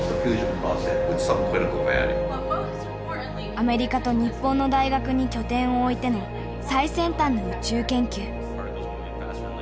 アメリカと日本の大学に拠点を置いての最先端の宇宙研究。